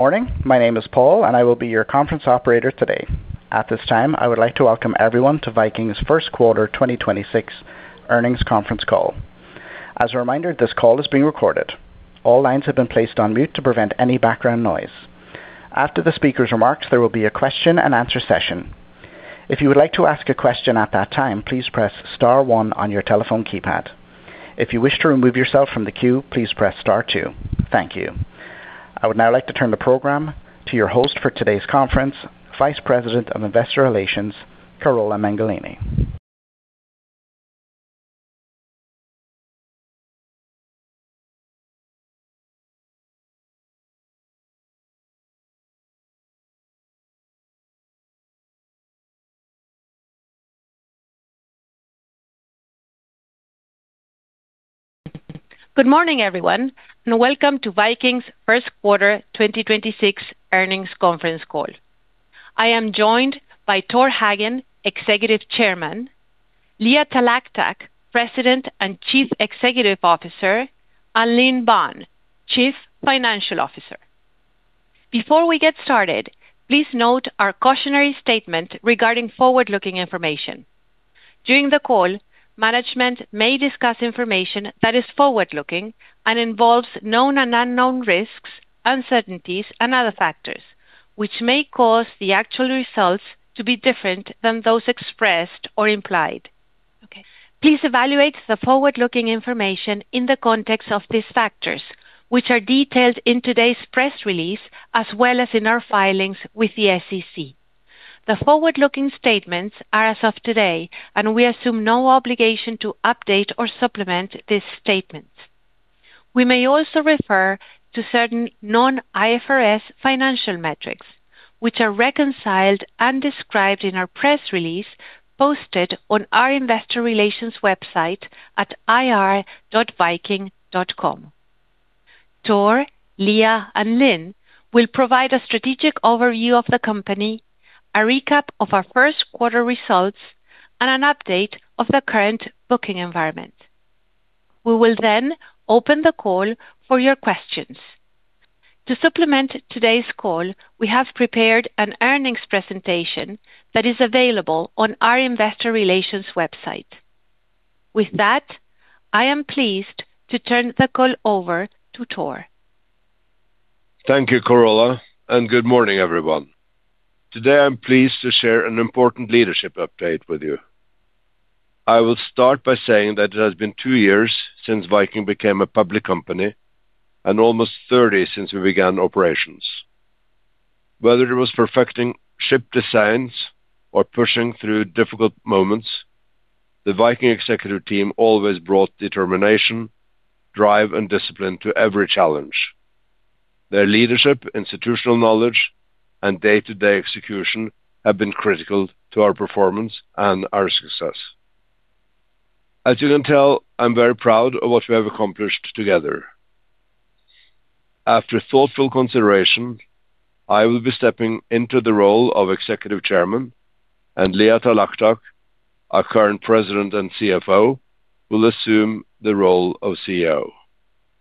Morning. My name is Paul, and I will be your conference operator today. At this time, I would like to welcome everyone to Viking's first quarter 2026 earnings conference call. As a reminder, this call is being recorded. All lines have been placed on mute to prevent any background noise. After the speaker's remarks, there will be a question and answer session. If you would like to ask a question at that time, please press star one on your telephone keypad. If you wish to remove yourself from the queue, please press star two. Thank you. I would now like to turn the program to your host for today's conference, Vice President of Investor Relations, Carola Mengolini. Good morning, everyone, welcome to Viking's first quarter 2026 earnings conference call. I am joined by Torstein Hagen, Executive Chairman, Leah Talactac, President and Chief Executive Officer, and Linh Banh, Chief Financial Officer. Before we get started, please note our cautionary statement regarding forward-looking information. During the call, management may discuss information that is forward-looking and involves known and unknown risks, uncertainties, and other factors, which may cause the actual results to be different than those expressed or implied. Okay. Please evaluate the forward-looking information in the context of these factors, which are detailed in today's press release as well as in our filings with the SEC. The forward-looking statements are as of today, we assume no obligation to update or supplement these statements. We may also refer to certain non-IFRS financial metrics, which are reconciled and described in our press release posted on our Investor Relations website at ir.viking.com. Tor, Leah, and Linh will provide a strategic overview of the company, a recap of our first quarter results, and an update of the current booking environment. We will then open the call for your questions. To supplement today's call, we have prepared an earnings presentation that is available on our Investor Relations website. With that, I am pleased to turn the call over to Tor. Thank you, Carola. Good morning, everyone. Today, I'm pleased to share an important leadership update with you. I will start by saying that it has been two years since Viking became a public company and almost 30 since we began operations. Whether it was perfecting ship designs or pushing through difficult moments, the Viking executive team always brought determination, drive, and discipline to every challenge. Their leadership, institutional knowledge, and day-to-day execution have been critical to our performance and our success. As you can tell, I'm very proud of what we have accomplished together. After thoughtful consideration, I will be stepping into the role of Executive Chairman, and Leah Talactac, our current President and CFO, will assume the role of CEO.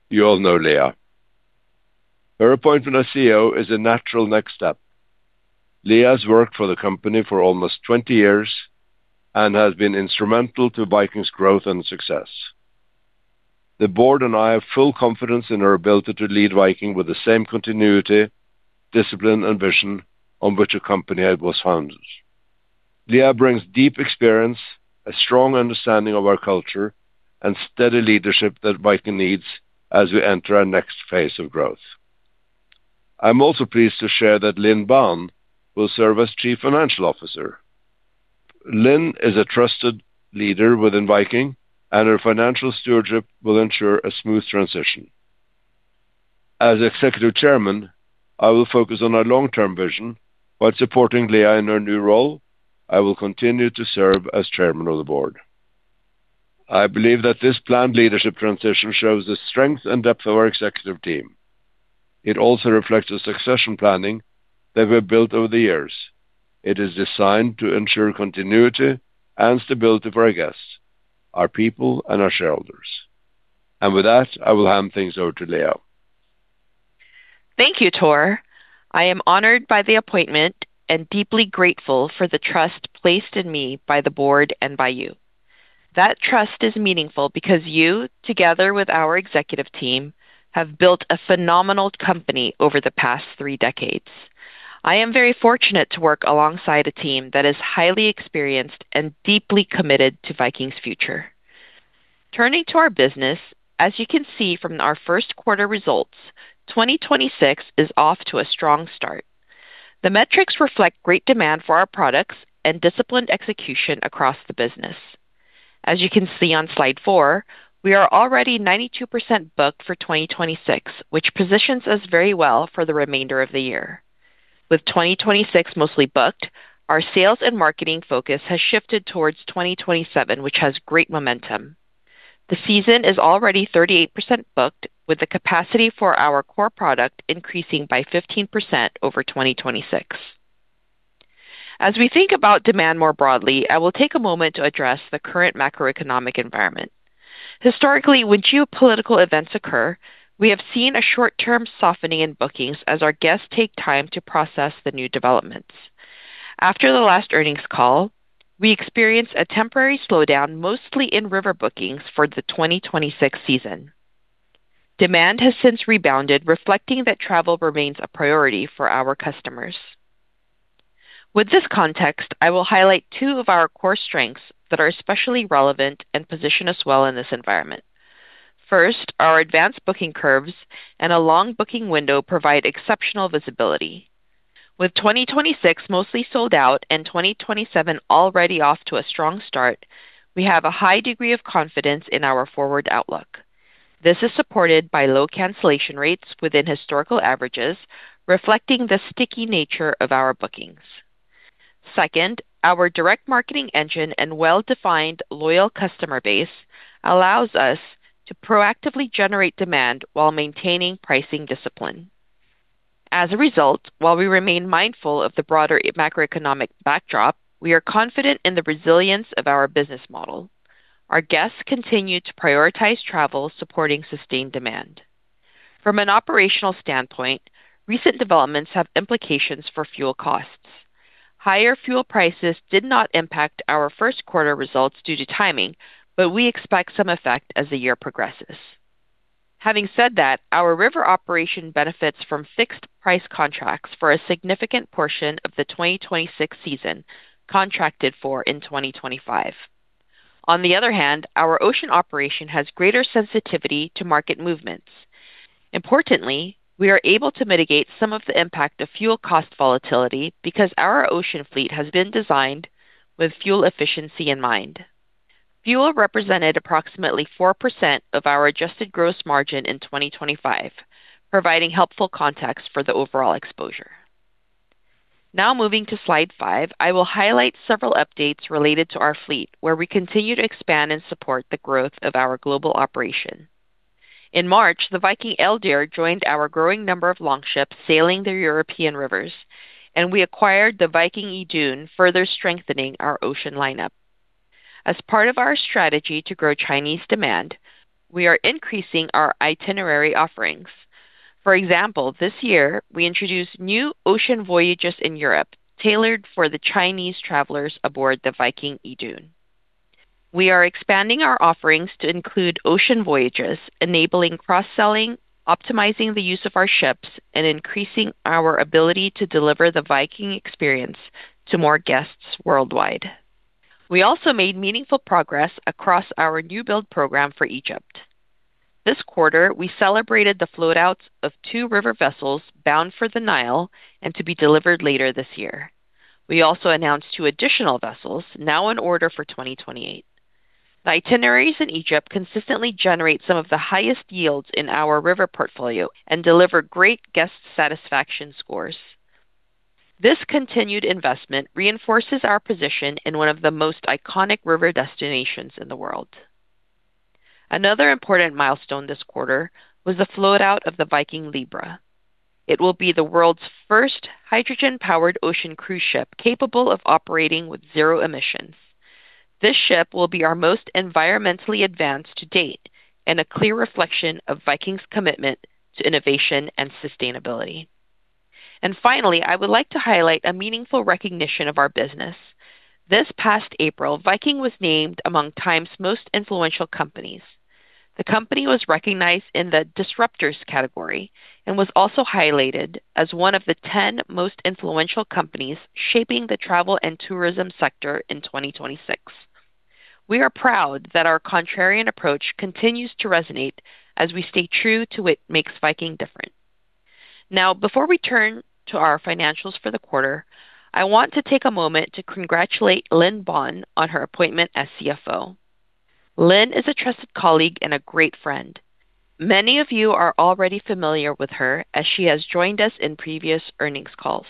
You all know Leah. Her appointment as CEO is a natural next step. Leah has worked for the company for almost 20 years and has been instrumental to Viking's growth and success. The board and I have full confidence in her ability to lead Viking with the same continuity, discipline, and vision on which the company was founded. Leah brings deep experience, a strong understanding of our culture, and steady leadership that Viking needs as we enter our next phase of growth. I'm also pleased to share that Linh Banh will serve as Chief Financial Officer. Linh is a trusted leader within Viking, and her financial stewardship will ensure a smooth transition. As Executive Chairman, I will focus on our long-term vision while supporting Leah in her new role. I will continue to serve as Chairman of the Board. I believe that this planned leadership transition shows the strength and depth of our executive team. It also reflects the succession planning that we've built over the years. It is designed to ensure continuity and stability for our guests, our people, and our shareholders. With that, I will hand things over to Leah. Thank you, Tor. I am honored by the appointment and deeply grateful for the trust placed in me by the board and by you. That trust is meaningful because you, together with our executive team, have built a phenomenal company over the past three decades. I am very fortunate to work alongside a team that is highly experienced and deeply committed to Viking's future. Turning to our business, as you can see from our first quarter results, 2026 is off to a strong start. The metrics reflect great demand for our products and disciplined execution across the business. As you can see on slide four, we are already 92% booked for 2026, which positions us very well for the remainder of the year. With 2026 mostly booked, our sales and marketing focus has shifted towards 2027, which has great momentum. The season is already 38% booked, with the capacity for our core product increasing by 15% over 2026. As we think about demand more broadly, I will take a moment to address the current macroeconomic environment. Historically, when geopolitical events occur, we have seen a short-term softening in bookings as our guests take time to process the new developments. After the last earnings call, we experienced a temporary slowdown, mostly in river bookings for the 2026 season. Demand has since rebounded, reflecting that travel remains a priority for our customers. With this context, I will highlight two of our core strengths that are especially relevant and position us well in this environment. First, our advanced booking curves and a long booking window provide exceptional visibility. With 2026 mostly sold out and 2027 already off to a strong start, we have a high degree of confidence in our forward outlook. This is supported by low cancellation rates within historical averages, reflecting the sticky nature of our bookings. Second, our direct marketing engine and well-defined loyal customer base allows us to proactively generate demand while maintaining pricing discipline. As a result, while we remain mindful of the broader macroeconomic backdrop, we are confident in the resilience of our business model. Our guests continue to prioritize travel, supporting sustained demand. From an operational standpoint, recent developments have implications for fuel costs. Higher fuel prices did not impact our first quarter results due to timing, but we expect some effect as the year progresses. Having said that, our river operation benefits from fixed price contracts for a significant portion of the 2026 season contracted for in 2025. On the other hand, our ocean operation has greater sensitivity to market movements. Importantly, we are able to mitigate some of the impact of fuel cost volatility because our ocean fleet has been designed with fuel efficiency in mind. Fuel represented approximately 4% of our adjusted gross margin in 2025, providing helpful context for the overall exposure. Moving to slide five, I will highlight several updates related to our fleet, where we continue to expand and support the growth of our global operation. In March, the Viking Eldir joined our growing number of Longships sailing the European rivers, and we acquired the Viking Yi Dun, further strengthening our ocean lineup. As part of our strategy to grow Chinese demand, we are increasing our itinerary offerings. For example, this year, we introduced new ocean voyages in Europe tailored for the Chinese travelers aboard the Viking Yi Dun. We are expanding our offerings to include ocean voyages, enabling cross-selling, optimizing the use of our ships, and increasing our ability to deliver the Viking experience to more guests worldwide. We also made meaningful progress across our new build program for Egypt. This quarter, we celebrated the float outs of two river vessels bound for the Nile and to be delivered later this year. We also announced two additional vessels now on order for 2028. Itineraries in Egypt consistently generate some of the highest yields in our river portfolio and deliver great guest satisfaction scores. This continued investment reinforces our position in one of the most iconic river destinations in the world. Another important milestone this quarter was the float out of the Viking Libra. It will be the world's first hydrogen-powered ocean cruise ship, capable of operating with zero emissions. This ship will be our most environmentally advanced to date and a clear reflection of Viking's commitment to innovation and sustainability. Finally, I would like to highlight a meaningful recognition of our business. This past April, Viking was named among Time's Most Influential Companies. The company was recognized in the disruptors category and was also highlighted as one of the 10 most influential companies shaping the travel and tourism sector in 2026. We are proud that our contrarian approach continues to resonate as we stay true to what makes Viking different. Before we turn to our financials for the quarter, I want to take a moment to congratulate Linh Banh on her appointment as CFO. Linh is a trusted colleague and a great friend. Many of you are already familiar with her as she has joined us in previous earnings calls.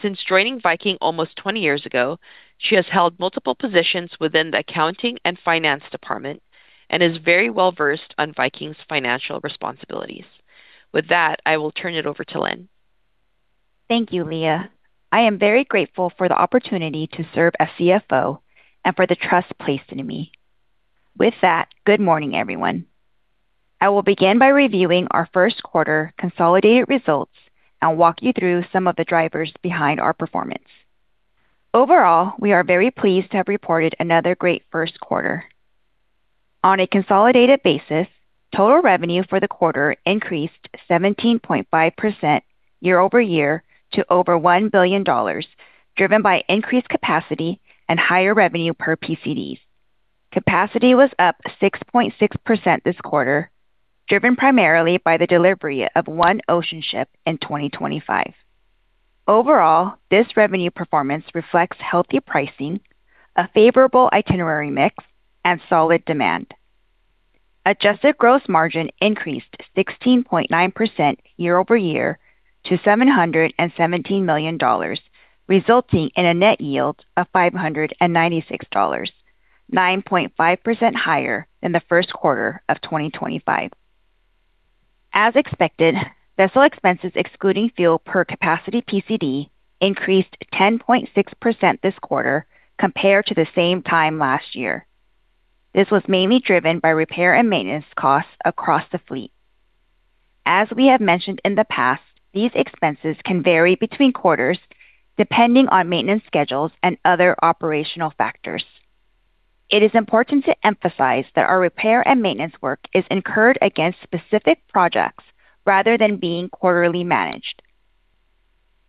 Since joining Viking almost 20 years ago, she has held multiple positions within the accounting and finance department and is very well-versed on Viking's financial responsibilities. With that, I will turn it over to Linh. Thank you, Leah. I am very grateful for the opportunity to serve as CFO and for the trust placed in me. With that, good morning, everyone. I will begin by reviewing our first quarter consolidated results and walk you through some of the drivers behind our performance. Overall, we are very pleased to have reported another great first quarter. On a consolidated basis, total revenue for the quarter increased 17.5% year-over-year to over $1 billion, driven by increased capacity and higher revenue per PCDs. Capacity was up 6.6% this quarter, driven primarily by the delivery of one ocean ship in 2025. Overall, this revenue performance reflects healthy pricing, a favorable itinerary mix, and solid demand. Adjusted gross margin increased 16.9% year-over-year to $717 million, resulting in a net yield of $596, 9.5% higher than the first quarter of 2025. As expected, vessel expenses excluding fuel per capacity PCD increased 10.6% this quarter compared to the same time last year. This was mainly driven by repair and maintenance costs across the fleet. As we have mentioned in the past, these expenses can vary between quarters depending on maintenance schedules and other operational factors. It is important to emphasize that our repair and maintenance work is incurred against specific projects rather than being quarterly managed.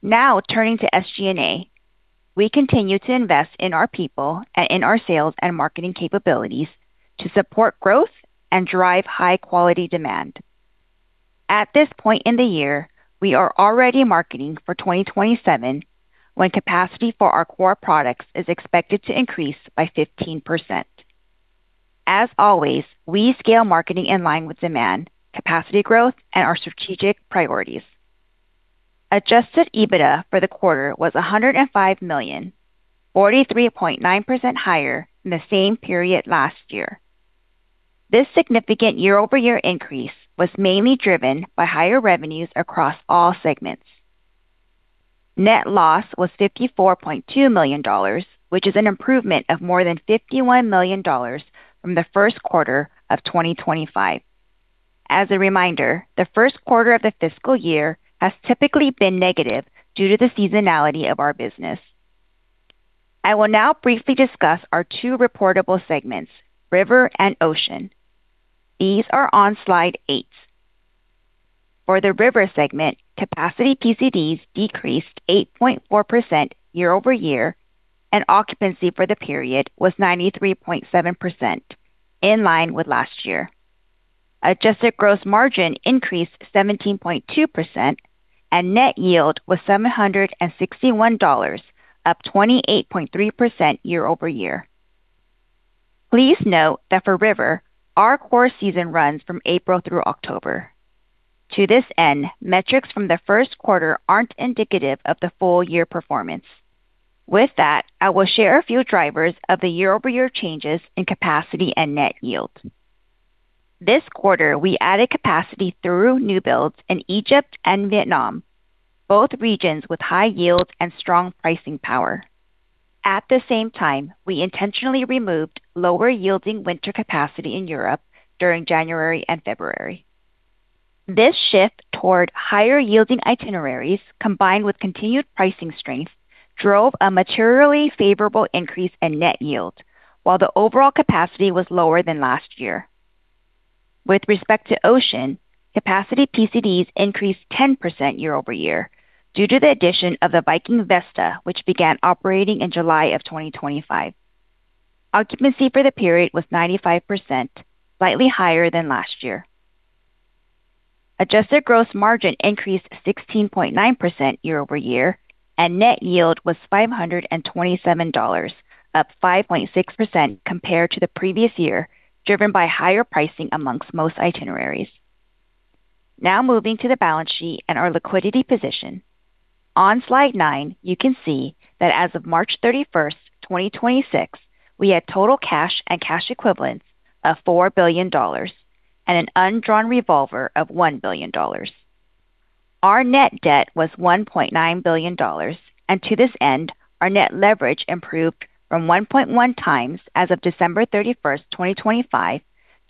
Now turning to SG&A. We continue to invest in our people and in our sales and marketing capabilities to support growth and drive high quality demand. At this point in the year, we are already marketing for 2027 when capacity for our core products is expected to increase by 15%. As always, we scale marketing in line with demand, capacity growth, and our strategic priorities. Adjusted EBITDA for the quarter was $105 million, 43.9% higher than the same period last year. This significant year-over-year increase was mainly driven by higher revenues across all segments. Net loss was $54.2 million, which is an improvement of more than $51 million from the first quarter of 2025. As a reminder, the first quarter of the fiscal year has typically been negative due to the seasonality of our business. I will now briefly discuss our two reportable segments, river and ocean. These are on slide eight. For the river segment, capacity PCDs decreased 8.4% year-over-year, and occupancy for the period was 93.7%, in line with last year. adjusted gross margin increased 17.2%, and net yield was $761, up 28.3% year-over-year. Please note that for River, our core season runs from April through October. To this end, metrics from the first quarter aren't indicative of the full year performance. With that, I will share a few drivers of the year-over-year changes in capacity and net yield. This quarter, we added capacity through new builds in Egypt and Vietnam, both regions with high yield and strong pricing power. At the same time, we intentionally removed lower-yielding winter capacity in Europe during January and February. This shift toward higher-yielding itineraries, combined with continued pricing strength, drove a materially favorable increase in net yield, while the overall capacity was lower than last year. With respect to ocean, capacity PCDs increased 10% year-over-year due to the addition of the Viking Vesta, which began operating in July of 2025. Occupancy for the period was 95%, slightly higher than last year. Adjusted gross margin increased 16.9% year-over-year, and net yield was $527, up 5.6% compared to the previous year, driven by higher pricing amongst most itineraries. Moving to the balance sheet and our liquidity position. On slide nine, you can see that as of March 31st, 2026, we had total cash and cash equivalents of $4 billion and an undrawn revolver of $1 billion. Our net debt was $1.9 billion, and to this end, our net leverage improved from 1.1 times as of December 31st, 2025,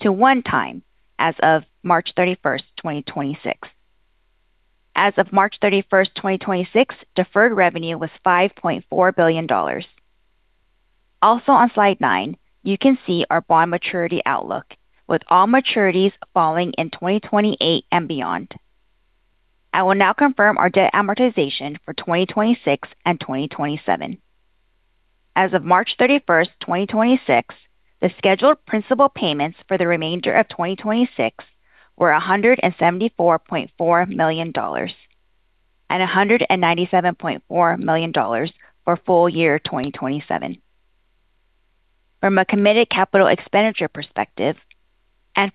to one time as of March 31st, 2026. As of March 31st, 2026, deferred revenue was $5.4 billion. Also on slide nine, you can see our bond maturity outlook, with all maturities falling in 2028 and beyond. I will now confirm our debt amortization for 2026 and 2027. As of March 31st, 2026, the scheduled principal payments for the remainder of 2026 were $174.4 million and $197.4 million for full year 2027. From a committed capital expenditure perspective,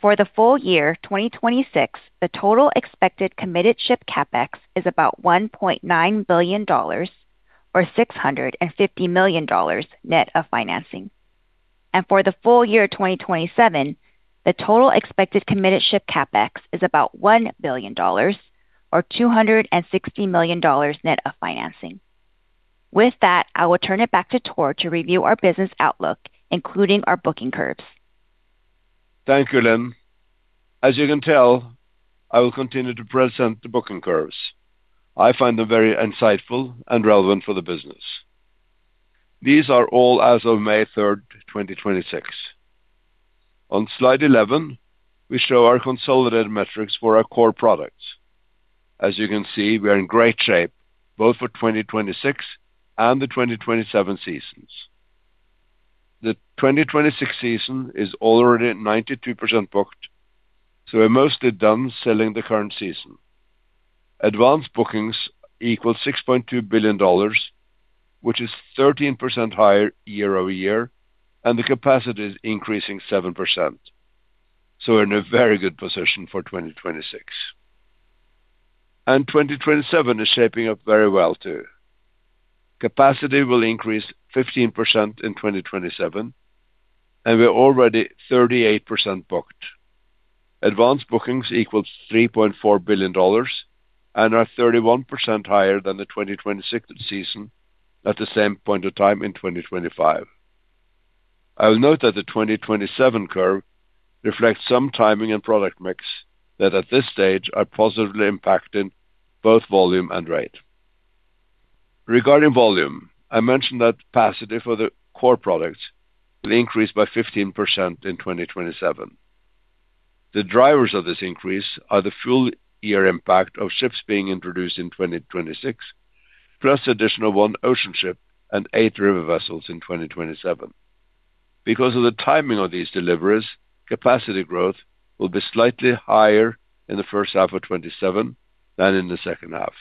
for the full year 2026, the total expected committed ship CapEx is about $1.9 billion or $650 million net of financing. For the full year 2027, the total expected committed ship CapEx is about $1 billion or $260 million net of financing. With that, I will turn it back to Tor to review our business outlook, including our booking curves. Thank you, Linh. As you can tell, I will continue to present the booking curves. I find them very insightful and relevant for the business. These are all as of May 3rd, 2026. On slide 11, we show our consolidated metrics for our core products. As you can see, we are in great shape both for 2026 and the 2027 seasons. The 2026 season is already at 92% booked, so we're mostly done selling the current season. Advanced bookings equal $6.2 billion, which is 13% higher year-over-year, and the capacity is increasing 7%. We're in a very good position for 2026. 2027 is shaping up very well too. Capacity will increase 15% in 2027, and we're already 38% booked. Advanced bookings equals $3.4 billion and are 31% higher than the 2026 season at the same point of time in 2025. I will note that the 2027 curve reflects some timing and product mix that at this stage are positively impacting both volume and rate. Regarding volume, I mentioned that capacity for the core products will increase by 15% in 2027. The drivers of this increase are the full-year impact of ships being introduced in 2026, plus additional one ocean ship and eight river vessels in 2027. Because of the timing of these deliveries, capacity growth will be slightly higher in the first half of 2027 than in the second half.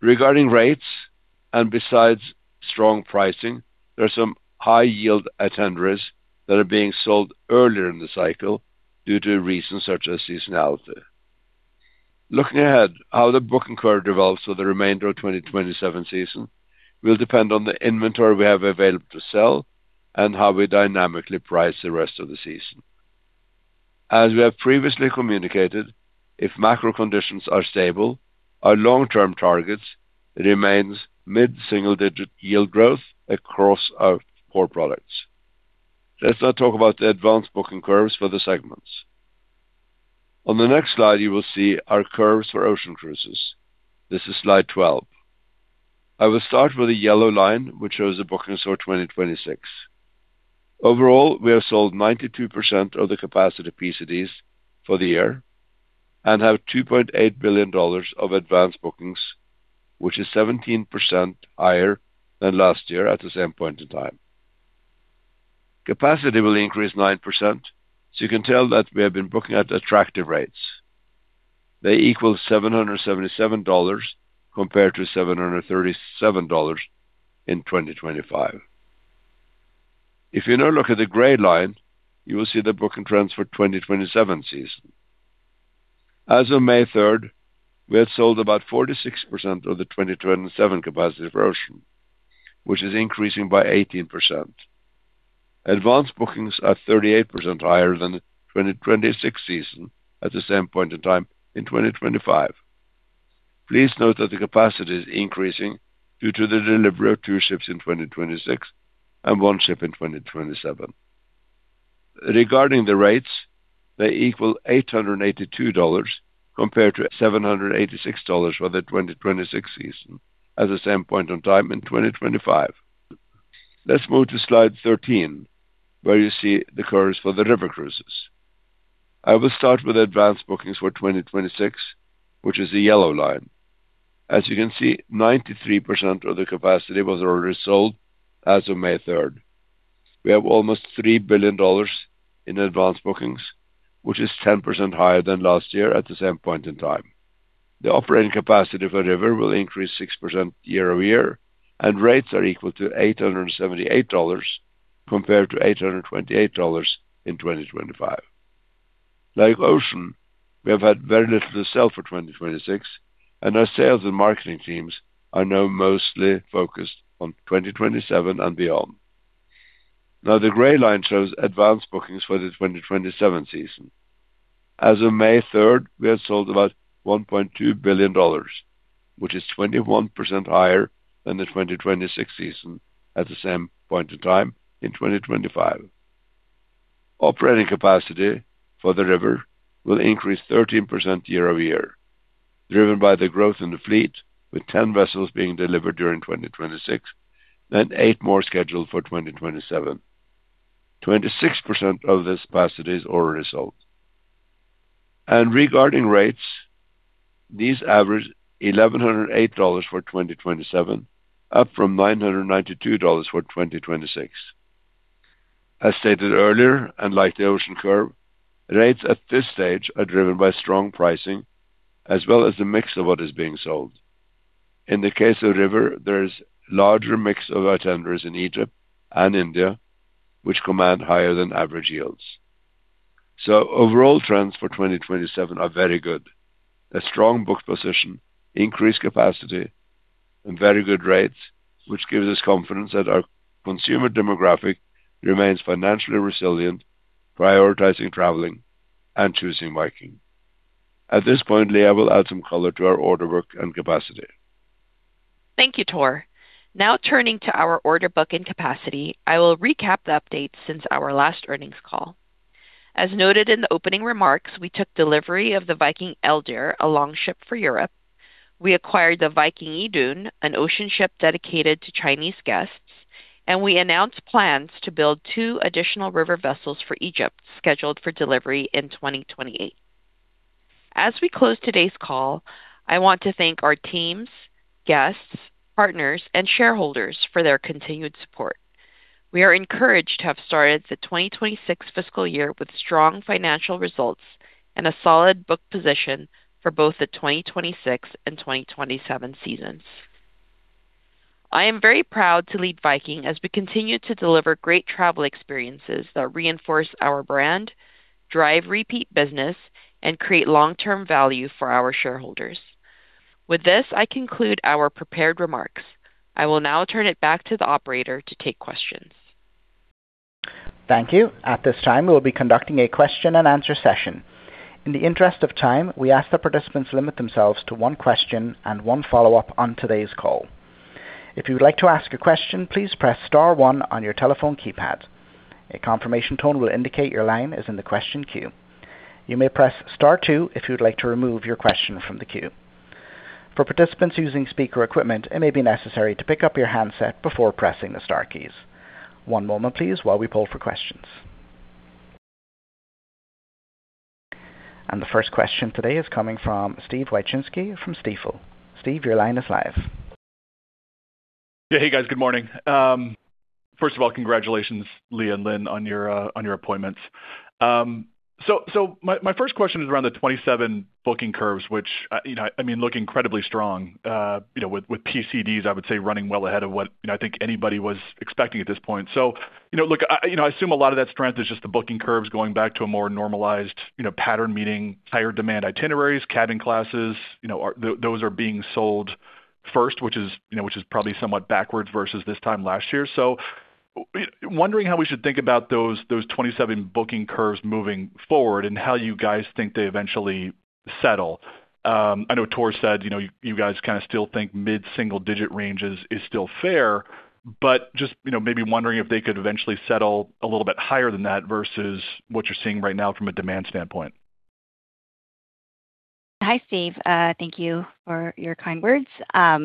Regarding rates, and besides strong pricing, there are some high-yield itineraries that are being sold earlier in the cycle due to reasons such as seasonality. Looking ahead, how the booking curve develops for the remainder of 2027 season will depend on the inventory we have available to sell and how we dynamically price the rest of the season. As we have previously communicated, if macro conditions are stable, our long-term targets remains mid-single-digit yield growth across our core products. Let's now talk about the advanced booking curves for the segments. On the next slide, you will see our curves for ocean cruises. This is slide 12. I will start with the yellow line, which shows the bookings for 2026. Overall, we have sold 92% of the capacity PCDs for the year and have $2.8 billion of advanced bookings, which is 17% higher than last year at the same point in time. Capacity will increase 9%, so you can tell that we have been booking at attractive rates. They equal $777 compared to $737 in 2025. If you now look at the gray line, you will see the booking trends for 2027 season. As of May 3rd, we have sold about 46% of the 2027 capacity for ocean, which is increasing by 18%. Advanced bookings are 38% higher than the 2026 season at the same point in time in 2025. Please note that the capacity is increasing due to the delivery of 2 ships in 2026 and 1 ship in 2027. Regarding the rates, they equal $882 compared to $786 for the 2026 season at the same point in time in 2025. Let's move to slide 13, where you see the curves for the river cruises. I will start with advanced bookings for 2026, which is the yellow line. As you can see, 93% of the capacity was already sold as of May 3rd. We have almost $3 billion in advanced bookings, which is 10% higher than last year at the same point in time. The operating capacity for river will increase 6% year-over-year, and rates are equal to $878 compared to $828 in 2025. Like ocean, we have had very little to sell for 2026, and our sales and marketing teams are now mostly focused on 2027 and beyond. The gray line shows advanced bookings for the 2027 season. As of May third, we have sold about $1.2 billion, which is 21% higher than the 2026 season at the same point in time in 2025. Operating capacity for the river will increase 13% year-over-year, driven by the growth in the fleet, with 10 vessels being delivered during 2026 and 8 more scheduled for 2027. 26% of this capacity is already sold. Regarding rates, these average $1,108 for 2027, up from $992 for 2026. As stated earlier, and like the ocean curve, rates at this stage are driven by strong pricing as well as the mix of what is being sold. In the case of river, there's larger mix of itineraries in Egypt and India, which command higher than average yields. Overall trends for 2027 are very good. A strong booked position, increased capacity, and very good rates, which gives us confidence that our consumer demographic remains financially resilient, prioritizing traveling, and choosing Viking. At this point, Leah will add some color to our order book and capacity. Thank you, Tor. Now turning to our order book and capacity, I will recap the updates since our last earnings call. As noted in the opening remarks, we took delivery of the Viking Eldir, a Longship for Europe. We acquired the Viking Yi Dun, an ocean ship dedicated to Chinese guests. We announced plans to build two additional river vessels for Egypt, scheduled for delivery in 2028. As we close today's call, I want to thank our teams, guests, partners, and shareholders for their continued support. We are encouraged to have started the 2026 fiscal year with strong financial results and a solid book position for both the 2026 and 2027 seasons. I am very proud to lead Viking as we continue to deliver great travel experiences that reinforce our brand, drive repeat business, and create long-term value for our shareholders. With this, I conclude our prepared remarks. I will now turn it back to the operator to take questions. Thank you. At this time, we'll be conducting a question-and-answer session. In the interest of time, we ask that participants limit themselves to one question and one follow-up on today's call. If you would like to ask a question, please press star one on your telephone keypad. A confirmation tone will indicate your line is in the question queue. You may press star two if you'd like to remove your question from the queue. For participants using speaker equipment, it may be necessary to pick up your handset before pressing the star keys. One moment please, while we poll for questions. The first question today is coming from Steve Wieczynski from Stifel. Steve, your line is live. Yeah. Hey, guys. Good morning. First of all, congratulations, Leah and Linh, on your appointments. My first question is around the 2027 booking curves, which, you know, I mean, look incredibly strong, you know, with PCDs, I would say running well ahead of what, you know, I think anybody was expecting at this point. I assume a lot of that strength is just the booking curves going back to a more normalized, you know, pattern, meaning higher demand itineraries, cabin classes, you know, those are being sold first, which is, you know, which is probably somewhat backwards versus this time last year. Wondering how we should think about those 2027 booking curves moving forward and how you guys think they eventually settle. I know Tor said, you know, you guys kinda still think mid-single digit ranges is still fair, but just, you know, maybe wondering if they could eventually settle a little bit higher than that versus what you're seeing right now from a demand standpoint. Hi, Steve. Thank you for your kind words. As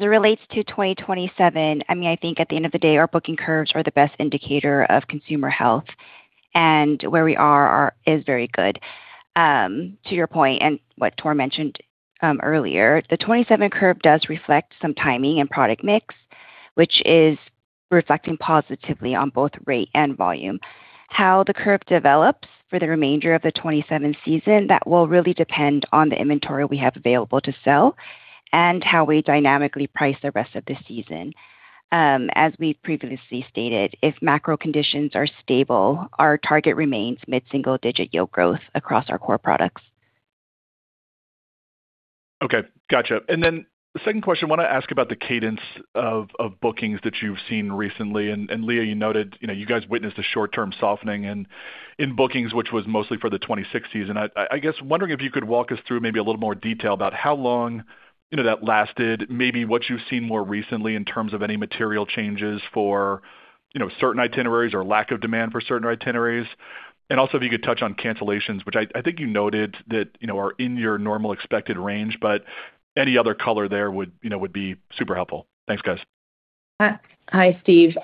it relates to 2027, I think at the end of the day, our booking curves are the best indicator of consumer health and where we are is very good. To your point, and what Tor mentioned earlier, the 2027 curve does reflect some timing and product mix, which is reflecting positively on both rate and volume. How the curve develops for the remainder of the 2027 season, that will really depend on the inventory we have available to sell and how we dynamically price the rest of the season. As we previously stated, if macro conditions are stable, our target remains mid-single-digit yield growth across our core products. Okay. Gotcha. The second question, I want to ask about the cadence of bookings that you've seen recently. Leah, you noted, you know, you guys witnessed a short-term softening in bookings, which was mostly for the 2026 season. I guess, I am wondering if you could walk us through maybe a little more detail about how long, you know, that lasted, maybe what you've seen more recently in terms of any material changes for, you know, certain itineraries or lack of demand for certain itineraries. Also, if you could touch on cancellations, which I think you noted that, you know, are in your normal expected range, but any other color there would, you know, would be super helpful. Thanks, guys. Hi. Hi, Steve.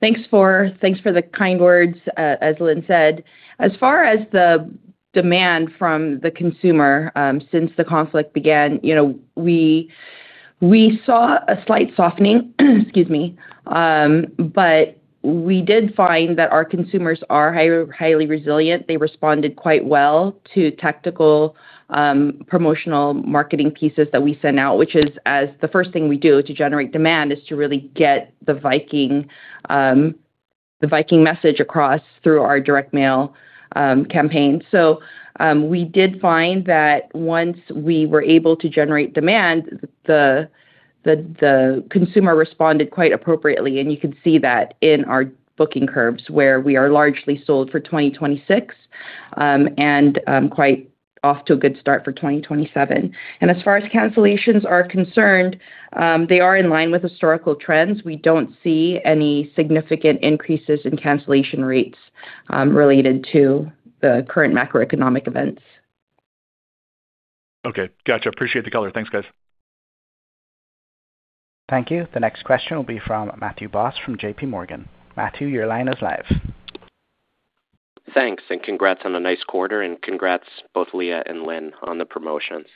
Thanks for the kind words, as Linh said. As far as the demand from the consumer, since the conflict began, we saw a slight softening excuse me, we did find that our consumers are highly resilient. They responded quite well to tactical promotional marketing pieces that we sent out, which is as the first thing we do to generate demand is to really get the Viking message across through our direct mail campaign. We did find that once we were able to generate demand, the consumer responded quite appropriately, and you can see that in our booking curves, where we are largely sold for 2026, and quite off to a good start for 2027. As far as cancellations are concerned, they are in line with historical trends. We don't see any significant increases in cancellation rates, related to the current macroeconomic events. Okay. Gotcha. Appreciate the color. Thanks, guys. Thank you. The next question will be from Matthew Boss from J.P. Morgan. Matthew, your line is live. Thanks. Congrats on a nice quarter. Congrats both Leah and Linh on the promotions.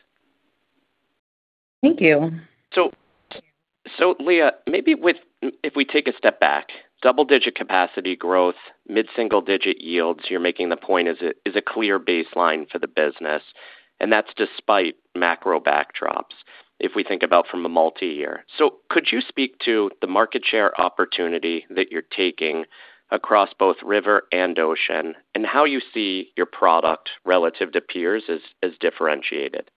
Thank you. So, Leah, maybe with if we take a step back, double-digit capacity growth, mid-single digit yields, you're making the point is a clear baseline for the business, and that's despite macro backdrops if we think about from a multi-year. Could you speak to the market share opportunity that you're taking across both river and ocean and how you see your product relative to peers as differentiated?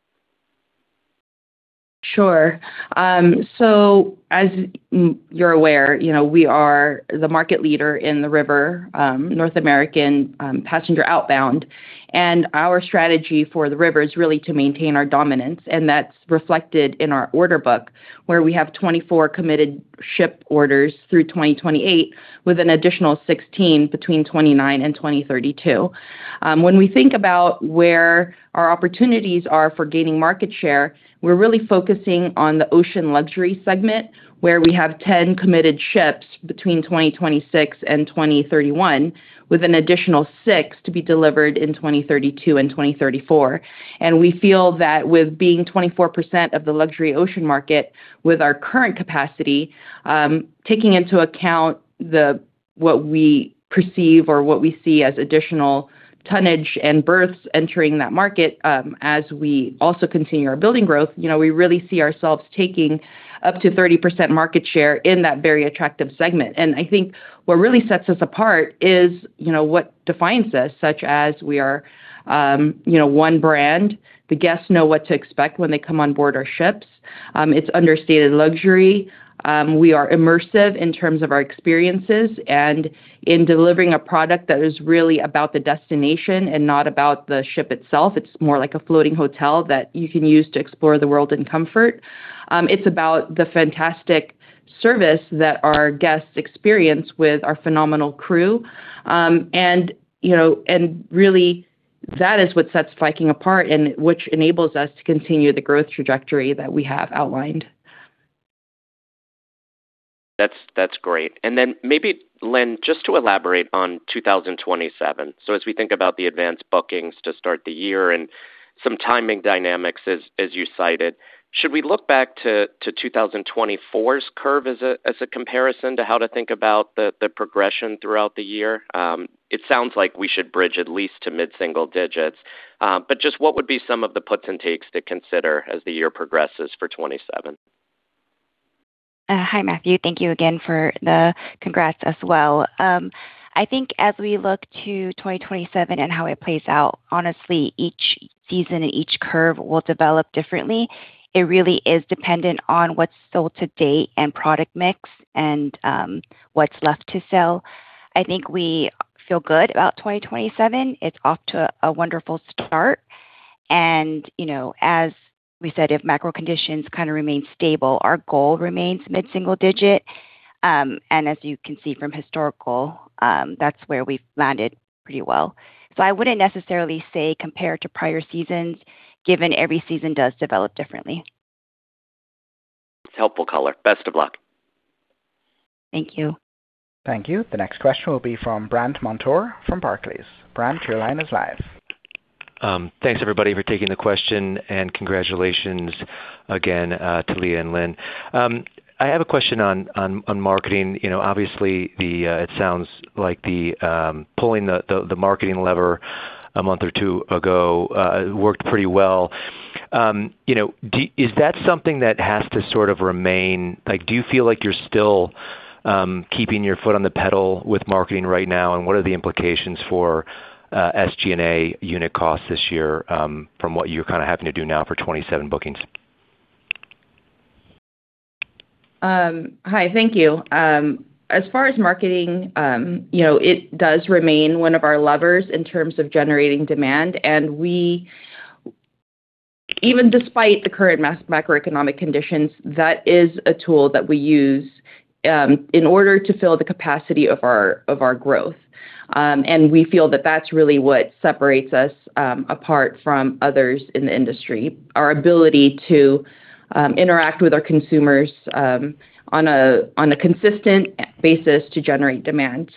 Sure. As you're aware, you know, we are the market leader in the river, North American, passenger outbound, and our strategy for the river is really to maintain our dominance, and that's reflected in our order book, where we have 24 committed ship orders through 2028, with an additional 16 between 2029 and 2032. When we think about where our opportunities are for gaining market share, we're really focusing on the ocean luxury segment, where we have 10 committed ships between 2026 and 2031, with an additional six to be delivered in 2032 and 2034. We feel that with being 24% of the luxury ocean market with our current capacity, taking into account the, what we perceive or what we see as additional tonnage and berths entering that market, as we also continue our building growth, you know, we really see ourselves taking up to 30% market share in that very attractive segment. I think what really sets us apart is, you know, what defines us, such as we are, you know, one brand. The guests know what to expect when they come on board our ships. It's understated luxury. We are immersive in terms of our experiences and in delivering a product that is really about the destination and not about the ship itself. It's more like a floating hotel that you can use to explore the world in comfort. It's about the fantastic service that our guests experience with our phenomenal crew. You know, and really that is what sets Viking apart and which enables us to continue the growth trajectory that we have outlined. That's great. Maybe, Linh, just to elaborate on 2027. As we think about the advanced bookings to start the year and some timing dynamics as you cited, should we look back to 2024's curve as a comparison to how to think about the progression throughout the year? It sounds like we should bridge at least to mid-single digits. Just what would be some of the puts and takes to consider as the year progresses for 2027? Hi, Matthew. Thank you again for the congrats as well. I think as we look to 2027 and how it plays out, honestly, each season and each curve will develop differently. It really is dependent on what's sold to date and product mix and what's left to sell. I think we feel good about 2027. It's off to a wonderful start. You know, as we said, if macro conditions kind of remain stable, our goal remains mid-single digit. As you can see from historical, that's where we've landed pretty well. I wouldn't necessarily say compared to prior seasons, given every season does develop differently. Helpful color. Best of luck. Thank you. Thank you. The next question will be from Brandt Montour from Barclays. Brandt, your line is live. Thanks everybody for taking the question and congratulations again, to Leah and Linh. I have a question on marketing. You know, obviously the, it sounds like the pulling the marketing lever a month or two ago, worked pretty well. You know, is that something that has to sort of remain? Like, do you feel like you're still keeping your foot on the pedal with marketing right now and what are the implications for SG&A unit costs this year from what you're kinda having to do now for 2027 bookings? Hi. Thank you. As far as marketing, you know, it does remain one of our levers in terms of generating demand. We, even despite the current macroeconomic conditions, that is a tool that we use in order to fill the capacity of our, of our growth. We feel that that's really what separates us apart from others in the industry, our ability to interact with our consumers on a consistent basis to generate demand.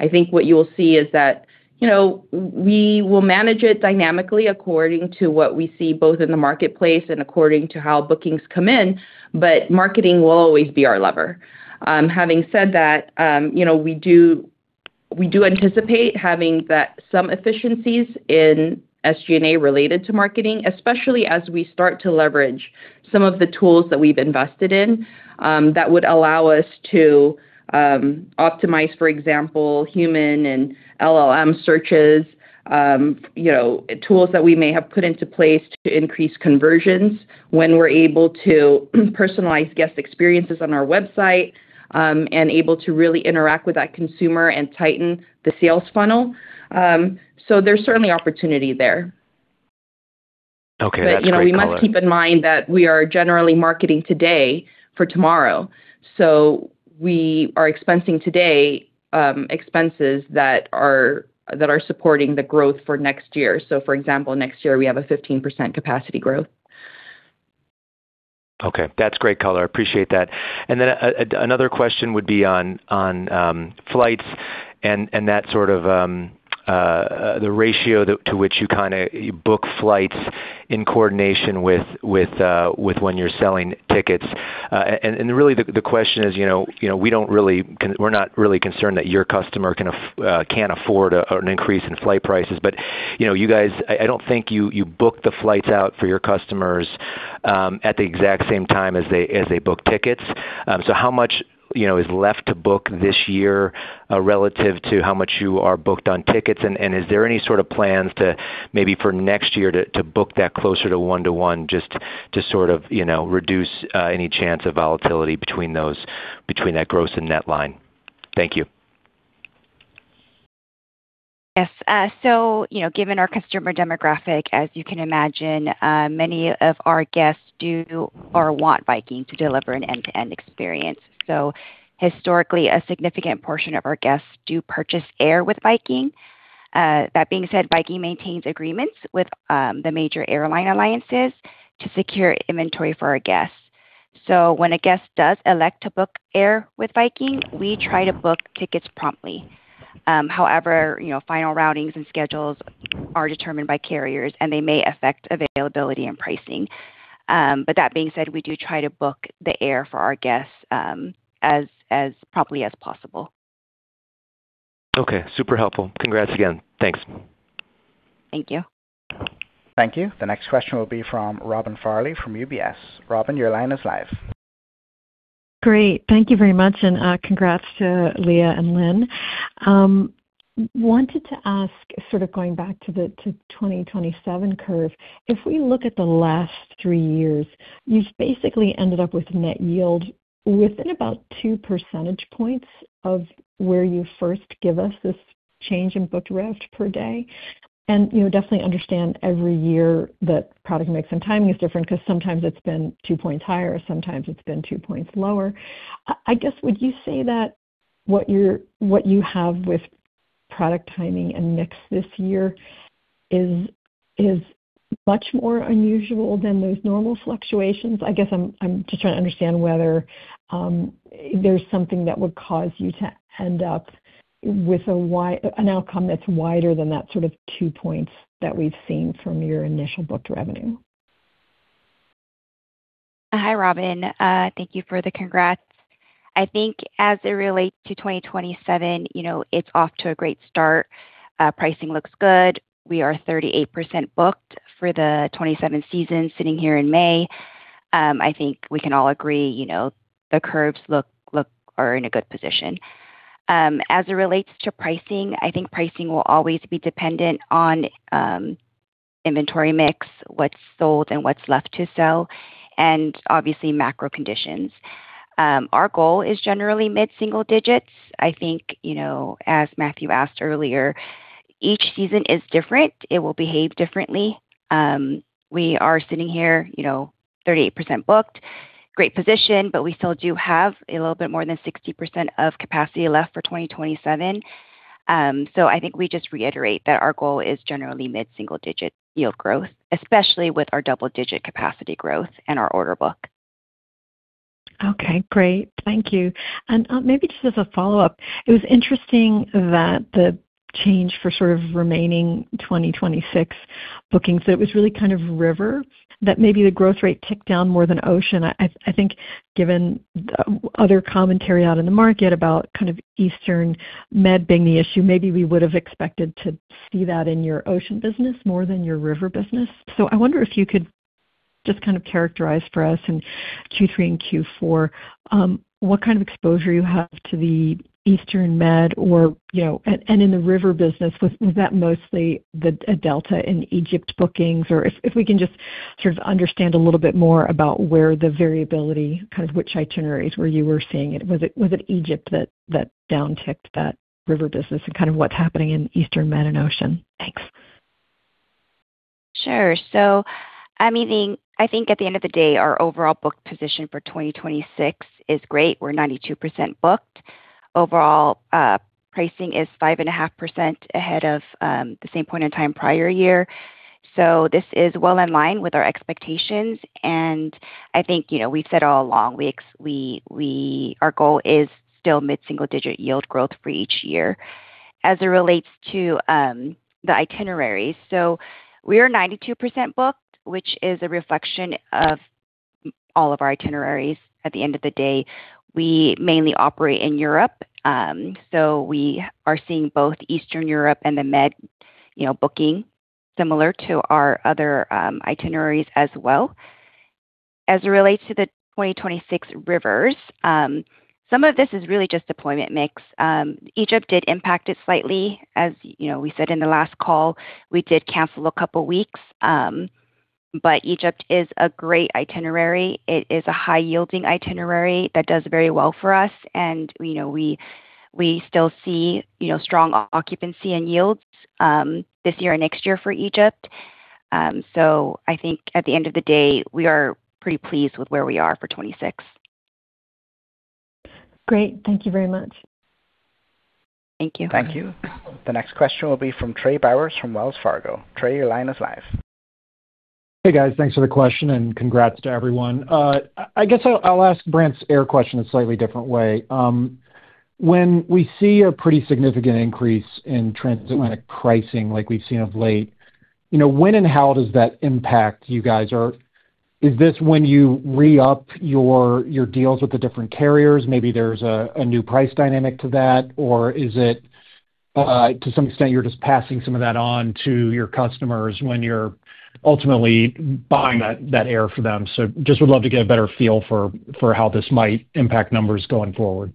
I think what you will see is that, you know, we will manage it dynamically according to what we see both in the marketplace and according to how bookings come in, but marketing will always be our lever. Having said that, we do anticipate having that some efficiencies in SG&A related to marketing, especially as we start to leverage some of the tools that we've invested in, that would allow us to optimize, for example, human and LLM searches, tools that we may have put into place to increase conversions when we're able to personalize guest experiences on our website, and able to really interact with that consumer and tighten the sales funnel. There's certainly opportunity there. Okay, that's great color. You know, we must keep in mind that we are generally marketing today for tomorrow. We are expensing today, expenses that are supporting the growth for next year. For example, next year we have a 15% capacity growth. Okay. That's great color. I appreciate that. Then another question would be on flights and that sort of the ratio that to which you kinda book flights in coordination with when you're selling tickets. Really the question is, you know, you know, we're not really concerned that your customer can't afford an increase in flight prices. You know, you guys, I don't think you book the flights out for your customers at the exact same time as they book tickets. How much, you know, is left to book this year relative to how much you are booked on tickets? Is there any sort of plans to maybe for next year to book that closer to one-to-one just to sort of, you know, reduce any chance of volatility between those, between that gross and net line? Thank you. Yes. You know, given our customer demographic, as you can imagine, many of our guests do or want Viking to deliver an end-to-end experience. Historically, a significant portion of our guests do purchase air with Viking. That being said, Viking maintains agreements with the major airline alliances to secure inventory for our guests. When a guest does elect to book air with Viking, we try to book tickets promptly. However, you know, final routings and schedules are determined by carriers, and they may affect availability and pricing. That being said, we do try to book the air for our guests, as promptly as possible. Okay. Super helpful. Congrats again. Thanks. Thank you. Thank you. The next question will be from Robin Farley from UBS. Robin, your line is live. Great. Thank you very much. Congrats to Leah and Linh. Wanted to ask, sort of going back to the 2027 curve, if we look at the last three years, you've basically ended up with net yield within about 2 percentage points of where you first give us this change in booked rev per day. You know, definitely understand every year that product mix and timing is different, 'cause sometimes it's been 2 points higher, sometimes it's been 2 points lower. I guess, would you say that what you have with product timing and mix this year is much more unusual than those normal fluctuations? I guess I'm just trying to understand whether there's something that would cause you to end up with an outcome that's wider than that sort of two points that we've seen from your initial booked revenue? Hi, Robin. Thank you for the congrats. I think as it relates to 2027, you know, it's off to a great start. Pricing looks good. We are 38% booked for the 2027 season, sitting here in May. I think we can all agree, you know, the curves are in a good position. As it relates to pricing, I think pricing will always be dependent on inventory mix, what's sold and what's left to sell, and obviously macro conditions. Our goal is generally mid-single digits. I think, you know, as Matthew asked earlier, each season is different. It will behave differently. We are sitting here, you know, 38% booked. Great position, but we still do have a little bit more than 60% of capacity left for 2027. I think we just reiterate that our goal is generally mid-single digit yield growth, especially with our double-digit capacity growth and our order book. Okay, great. Thank you. Maybe just as a follow-up, it was interesting that the change for sort of remaining 2026 bookings, it was really kind of river, that maybe the growth rate ticked down more than ocean. I think, given other commentary out in the market about kind of Eastern Med being the issue, maybe we would have expected to see that in your ocean business more than your river business. I wonder if you could just kind of characterize for us in Q3 and Q4, what kind of exposure you have to the Eastern Med or, you know, and in the river business, was that mostly a delta in Egypt bookings? Or if we can just sort of understand a little bit more about where the variability, kind of which itineraries where you were seeing it. Was it Egypt that downticked that river business and kind of what's happening in Eastern Med and Ocean? Thanks. Sure. I mean, I think at the end of the day, our overall book position for 2026 is great. We're 92% booked. Overall, pricing is 5.5% ahead of the same point in time prior year. This is well in line with our expectations. I think, you know, we've said all along, our goal is still mid-single digit yield growth for each year. As it relates to the itineraries. We are 92% booked, which is a reflection of all of our itineraries at the end of the day. We mainly operate in Europe, so we are seeing both Eastern Europe and the Med, you know, booking similar to our other itineraries as well. As it relates to the 2026 rivers, some of this is really just deployment mix. Egypt did impact it slightly. You know, we said in the last call, we did cancel a couple weeks. Egypt is a great itinerary. It is a high-yielding itinerary that does very well for us and, you know, we still see, you know, strong occupancy and yields this year and next year for Egypt. I think at the end of the day, we are pretty pleased with where we are for 2026. Great. Thank you very much. Thank you. Thank you. The next question will be from Trey Bowers from Wells Fargo. Trey, your line is live. Hey, guys. Thanks for the question, and congrats to everyone. I guess I'll ask Brandt's air question a slightly different way. When we see a pretty significant increase in Transatlantic pricing like we've seen of late, you know, when and how does that impact you guys? Is this when you re-up your deals with the different carriers, maybe there's a new price dynamic to that? Is it to some extent, you're just passing some of that on to your customers when you're ultimately buying that air for them? Just would love to get a better feel for how this might impact numbers going forward.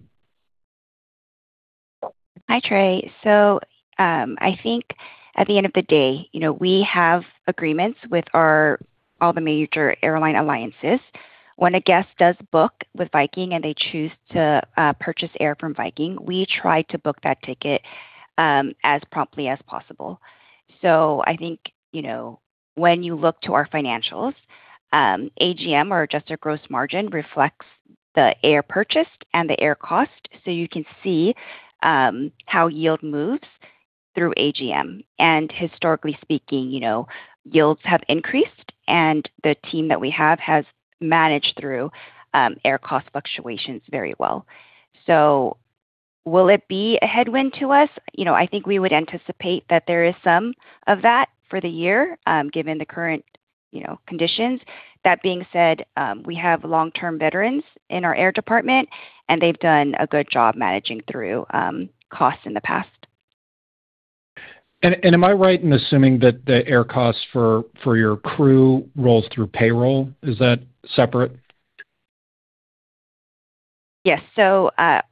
Hi, Trey. I think at the end of the day, you know, we have agreements with our, all the major airline alliances. When a guest does book with Viking and they choose to purchase air from Viking, we try to book that ticket as promptly as possible. I think, you know, when you look to our financials, AGM or adjusted gross margin reflects the air purchased and the air cost. You can see how yield moves through AGM. Historically speaking, you know, yields have increased, and the team that we have has managed through air cost fluctuations very well. Will it be a headwind to us? You know, I think we would anticipate that there is some of that for the year, given the current, you know, conditions. That being said, we have long-term veterans in our air department, and they've done a good job managing through costs in the past. Am I right in assuming that the air costs for your crew rolls through payroll? Is that separate? Yes.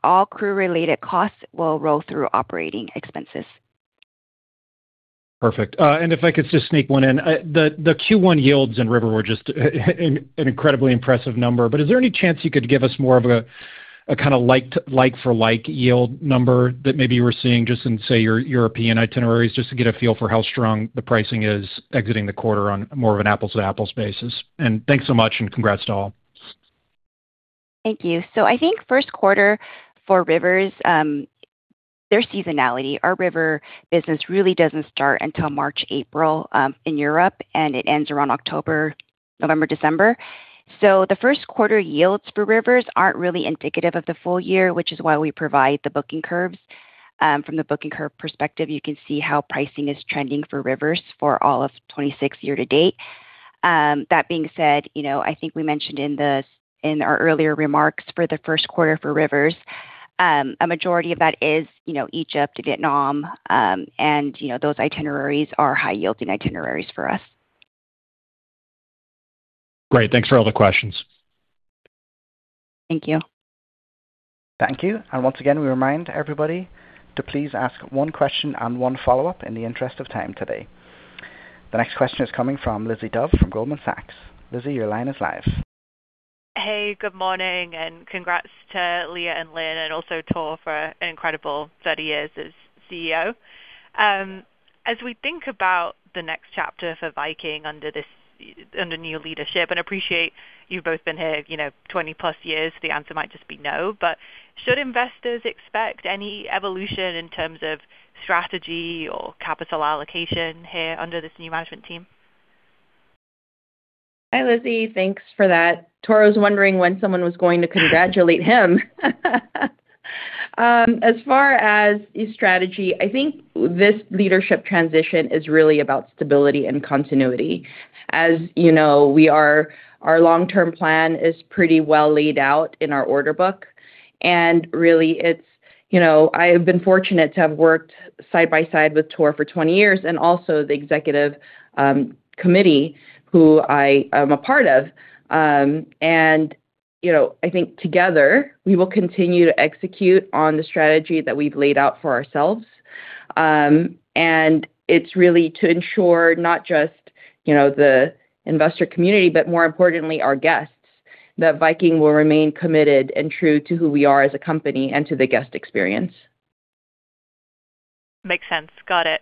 All crew related costs will roll through operating expenses. Perfect. If I could just sneak one in. The Q1 yields in river were just an incredibly impressive number. Is there any chance you could give us more of a kinda like-for-like yield number that maybe you were seeing just in, say, your European itineraries, just to get a feel for how strong the pricing is exiting the quarter on more of an apples-to-apples basis? Thanks so much, and congrats to all. Thank you. I think first quarter for rivers, there's seasonality. Our river business really doesn't start until March, April, in Europe, and it ends around October, November, December. The first quarter yields for rivers aren't really indicative of the full year, which is why we provide the booking curves. From the booking curve perspective, you can see how pricing is trending for rivers for all of 2026 year-to-date. That being said, you know, I think we mentioned in the, in our earlier remarks for the first quarter for rivers, a majority of that is, you know, Egypt, Vietnam, and you know, those itineraries are high-yielding itineraries for us. Great. Thanks for all the questions. Thank you. Thank you. Once again, we remind everybody to please ask one question and one follow-up in the interest of time today. The next question is coming from Lizzie Dove from Goldman Sachs. Lizzie, your line is live. Hey, good morning and congrats to Leah and Linh, and also Tor for incredible 30 years as CEO. As we think about the next chapter for Viking under this, under new leadership, and appreciate you've both been here, you know, 20+ years, the answer might just be no. Should investors expect any evolution in terms of strategy or capital allocation here under this new management team? Hi, Lizzie. Thanks for that. Tor was wondering when someone was going to congratulate him. As far as his strategy, I think this leadership transition is really about stability and continuity. As you know, our long-term plan is pretty well laid out in our order book. Really, it's, you know, I've been fortunate to have worked side by side with Tor for 20 years and also the executive committee, who I am a part of. You know, I think together, we will continue to execute on the strategy that we've laid out for ourselves. It's really to ensure not just, you know, the investor community, but more importantly, our guests, that Viking will remain committed and true to who we are as a company and to the guest experience. Makes sense. Got it.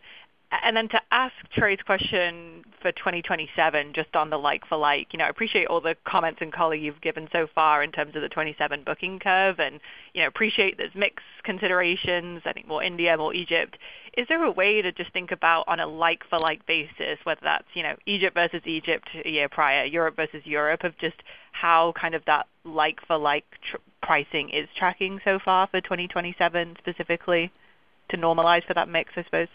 Then to ask Trey's question for 2027, just on the like-for-like, you know, I appreciate all the comments and color you've given so far in terms of the 2027 booking curve and, you know, appreciate there's mix considerations, I think more India, more Egypt. Is there a way to just think about on a like-for-like basis, whether that's, you know, Egypt versus Egypt a year prior, Europe versus Europe, of just how kind of that like-for-like pricing is tracking so far for 2027, specifically to normalize for that mix, I suppose?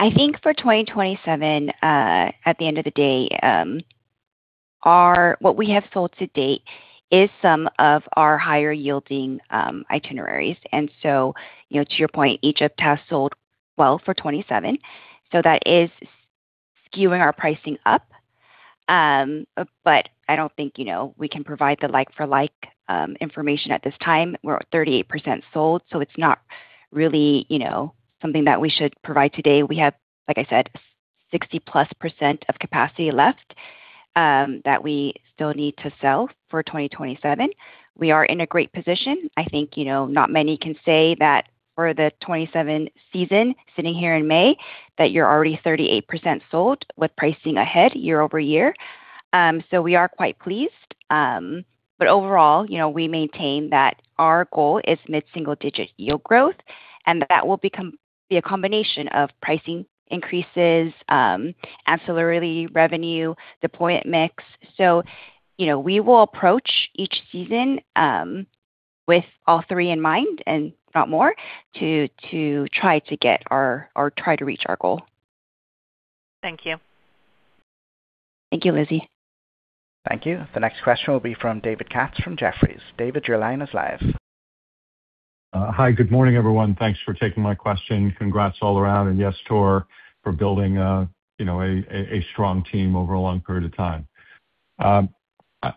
I think for 2027, at the end of the day, our, what we have sold to date is some of our higher-yielding itineraries. You know, to your point, Egypt has sold well for 2027, so that is skewing our pricing up. I don't think, you know, we can provide the like for like information at this time. We're at 38% sold, so it's not really, you know, something that we should provide today. We have, like I said, 60%+ of capacity left that we still need to sell for 2027. We are in a great position. I think, you know, not many can say that for the 2027 season, sitting here in May, that you're already 38% sold with pricing ahead year-over-year. We are quite pleased. Overall, you know, we maintain that our goal is mid-single-digit yield growth, and that will become the combination of pricing increases, ancillary revenue, deployment mix. You know, we will approach each season with all three in mind, and if not more, try to get our, or try to reach our goal. Thank you. Thank you, Lizzie. Thank you. The next question will be from David Katz from Jefferies. David, your line is live. Hi. Good morning, everyone. Thanks for taking my question. Congrats all around, and yes, Tor, for building, you know, a strong team over a long period of time.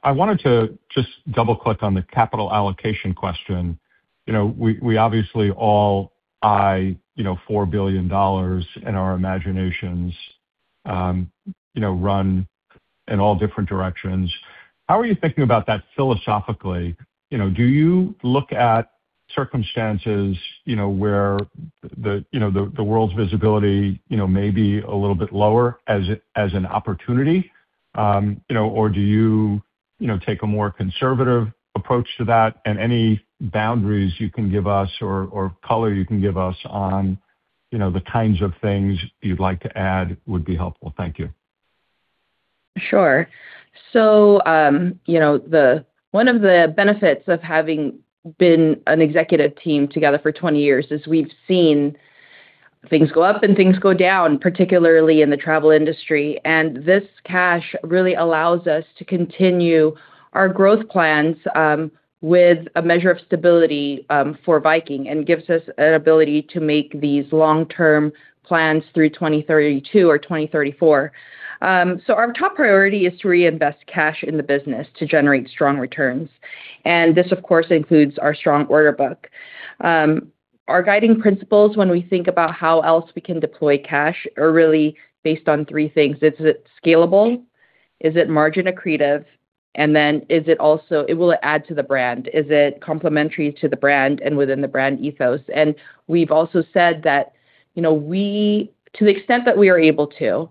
I wanted to just double-click on the capital allocation question. You know, we obviously all eye, you know, $4 billion and our imaginations, you know, run in all different directions. How are you thinking about that philosophically? You know, do you look at circumstances, you know, where the world's visibility, you know, may be a little bit lower as an opportunity? You know, or do you take a more conservative approach to that? Any boundaries you can give us or color you can give us on, you know, the kinds of things you'd like to add would be helpful. Thank you. Sure. You know, one of the benefits of having been an executive team together for 20 years is we've seen things go up and things go down, particularly in the travel industry. This cash really allows us to continue our growth plans with a measure of stability for Viking and gives us an ability to make these long-term plans through 2032 or 2034. Our top priority is to reinvest cash in the business to generate strong returns. This, of course, includes our strong order book. Our guiding principles when we think about how else we can deploy cash are really based on three things. Is it scalable? Is it margin accretive? Will it add to the brand? Is it complementary to the brand and within the brand ethos? We've also said that, to the extent that we are able to,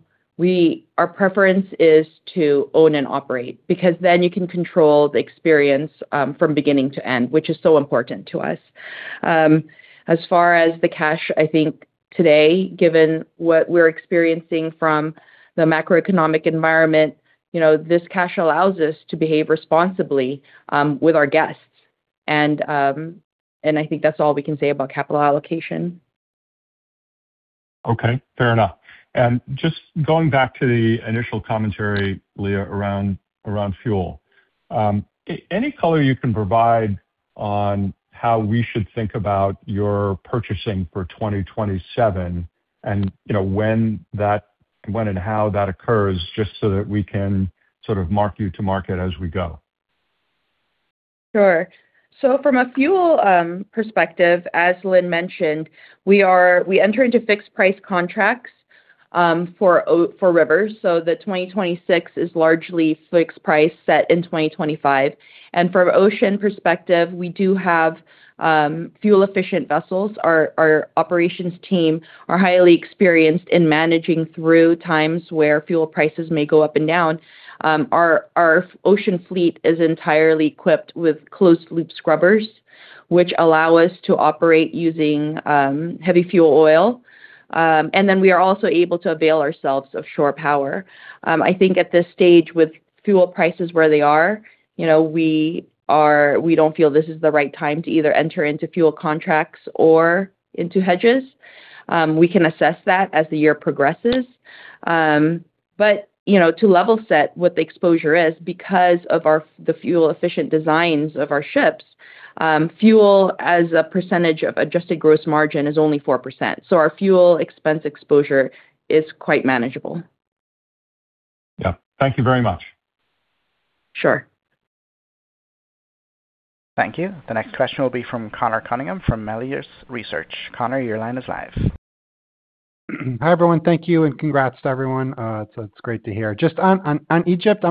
our preference is to own and operate, because then you can control the experience from beginning to end, which is so important to us. As far as the cash, I think today, given what we're experiencing from the macroeconomic environment, this cash allows us to behave responsibly with our guests. I think that's all we can say about capital allocation. Fair enough. Just going back to the initial commentary, Leah, around fuel. Any color you can provide on how we should think about your purchasing for 2027 and, you know, when that, when and how that occurs, just so that we can sort of mark you to market as we go. Sure. From a fuel perspective, as Linh mentioned, we enter into fixed price contracts for rivers. The 2026 is largely fixed price set in 2025. From ocean perspective, we do have fuel efficient vessels. Our operations team are highly experienced in managing through times where fuel prices may go up and down. Our ocean fleet is entirely equipped with closed-loop scrubbers, which allow us to operate using heavy fuel oil. We are also able to avail ourselves of shore power. I think at this stage, with fuel prices where they are, you know, we don't feel this is the right time to either enter into fuel contracts or into hedges. We can assess that as the year progresses. You know, to level set what the exposure is, because of the fuel efficient designs of our ships, fuel as a percentage of adjusted gross margin is only 4%. Our fuel expense exposure is quite manageable. Yeah. Thank you very much. Sure. Thank you. The next question will be from Conor Cunningham from Melius Research. Conor, your line is live. Hi, everyone. Thank you, and congrats to everyone. It's great to hear. Just on Egypt,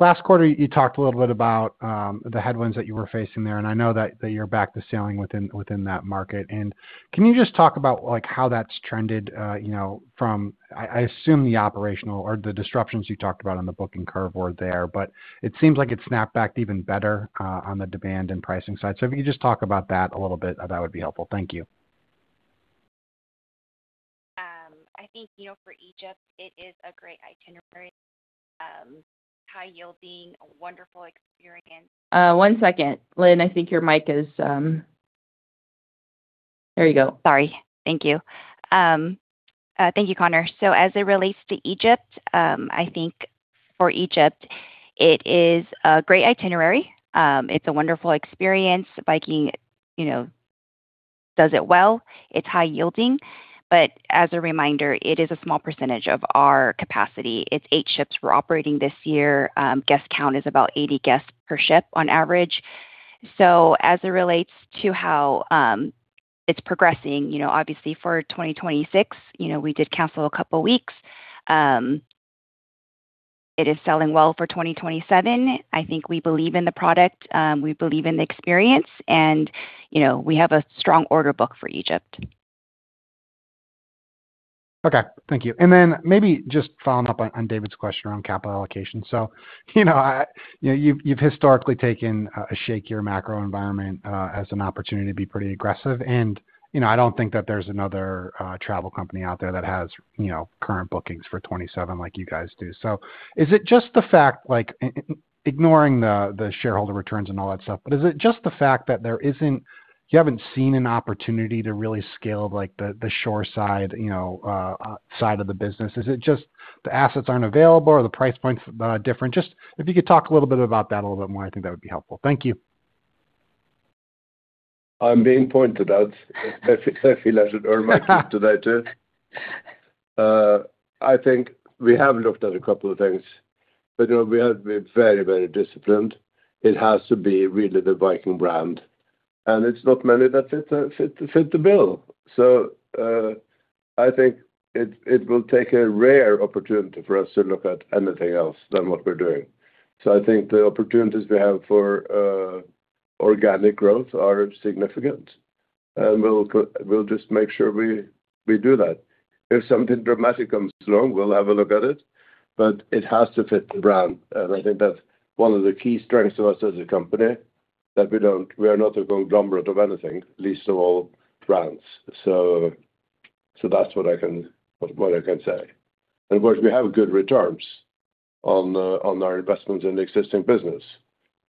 last quarter, you talked a little bit about the headwinds that you were facing there. I know that you're back to sailing within that market. Can you just talk about, like, how that's trended, you know, from, I assume the operational or the disruptions you talked about on the booking curve were there. It seems like it snapped back even better on the demand and pricing side. If you could just talk about that a little bit, that would be helpful. Thank you. I think, you know, for Egypt, it is a great itinerary, high yielding, a wonderful experience. One second. Linh, I think your mic is. There you go. Sorry. Thank you. Thank you, Conor. As it relates to Egypt, I think for Egypt, it is a great itinerary. It's a wonderful experience. Viking, you know, does it well. It's high yielding. As a reminder, it is a small percentage of our capacity. It's eight ships we're operating this year. Guest count is about 80 guests per ship on average. As it relates to how it's progressing, you know, obviously for 2026, you know, we did cancel two weeks. It is selling well for 2027. I think we believe in the product, we believe in the experience, and, you know, we have a strong order book for Egypt. Okay. Thank you. Maybe just following up on David's question around capital allocation. You know, you've historically taken a shakier macro environment as an opportunity to be pretty aggressive. You know, I don't think that there's another travel company out there that has, you know, current bookings for 2027 like you guys do. Is it just the fact, like, ignoring the shareholder returns and all that stuff, but is it just the fact that you haven't seen an opportunity to really scale, like, the shore side, you know, side of the business? Is it just the assets aren't available or the price points are different? Just if you could talk a little bit about that a little bit more, I think that would be helpful. Thank you. I'm being pointed out. I feel I should earn my keep today too. I think we have looked at a couple of things, but, you know, we have to be very, very disciplined. It has to be really the Viking brand, and it's not many that fit the bill. I think it will take a rare opportunity for us to look at anything else than what we're doing. I think the opportunities we have for organic growth are significant. We'll just make sure we do that. If something dramatic comes along, we'll have a look at it, but it has to fit the brand. I think that's one of the key strengths of us as a company, that we are not a conglomerate of anything, least of all brands. That's what I can say. Of course, we have good returns on our investments in the existing business.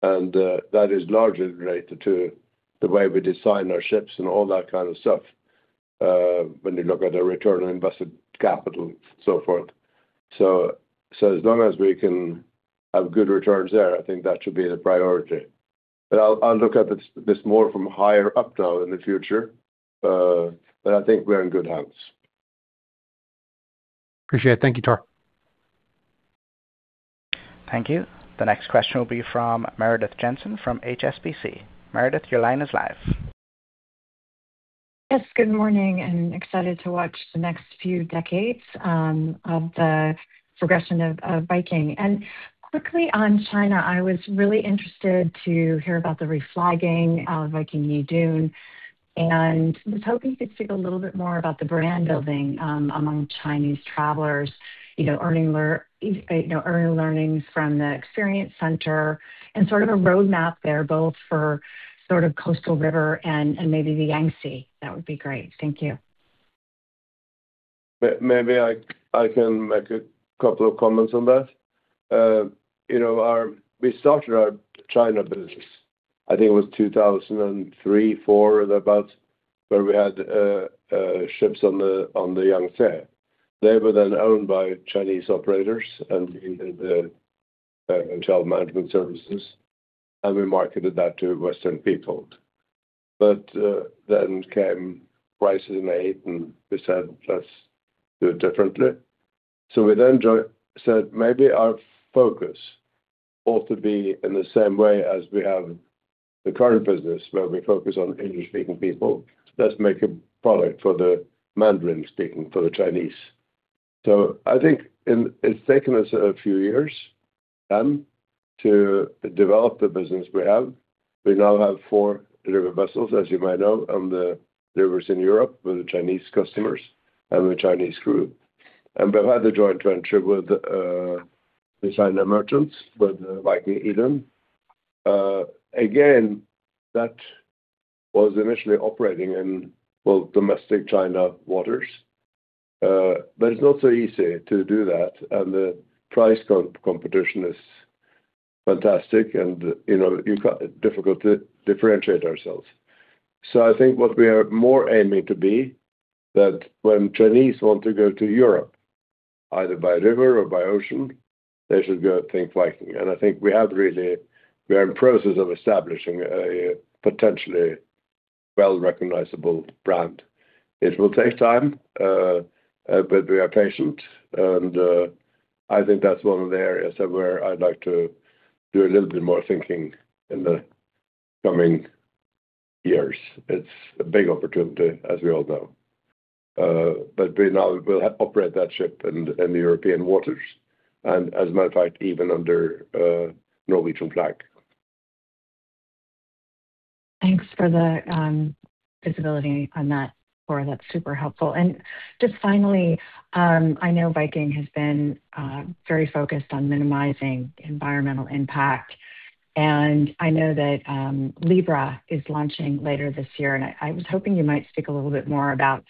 That is largely related to the way we design our ships and all that kind of stuff, when you look at the return on invested capital and so forth. As long as we can have good returns there, I think that should be the priority. I'll look at this more from higher up now in the future. I think we're in good hands. Appreciate it. Thank you, Tor. Thank you. The next question will be from Meredith Jensen from HSBC. Meredith, your line is live. Yes. Good morning, excited to watch the next few decades of the progression of Viking. Quickly on China, I was really interested to hear about the reflagging of Viking Yi Dun, and I was hoping you could speak a little bit more about the brand building among Chinese travelers. You know, earning learnings from the experience center and sort of a roadmap there both for sort of coastal river and maybe the Yangtze. That would be great. Thank you. Maybe I can make a couple of comments on that. You know, we started our China business, I think it was 2003, 2004 or thereabout, where we had ships on the Yangtze. They were then owned by Chinese operators and we did the hotel management services, and we marketed that to Western people. Then came prices in May, and we said, "Let's do it differently." We then said, "Maybe our focus ought to be in the same way as we have the current business where we focus on English-speaking people. Let's make a product for the Mandarin-speaking, for the Chinese." I think it's taken us a few years to develop the business we have. We now have four river vessels, as you might know, on the rivers in Europe with Chinese customers and the Chinese crew. We've had the joint venture with the China Merchants with the Viking Yi Dun. Again, that was initially operating in both domestic China waters. It's not so easy to do that, the price competition is fantastic, you know, you've got difficult to differentiate ourselves. I think what we are more aiming to be that when Chinese want to go to Europe, either by river or by ocean, they should go think Viking. I think We are in process of establishing a potentially well-recognizable brand. It will take time, but we are patient and I think that's one of the areas that where I'd like to do a little bit more thinking in the coming years. It's a big opportunity, as we all know. We now will have operate that ship in the European waters and as a matter of fact, even under a Norwegian flag. Thanks for the visibility on that, Tor. That's super helpful. Just finally, I know Viking has been very focused on minimizing environmental impact, and I know that Viking Libra is launching later this year, and I was hoping you might speak a little bit more about,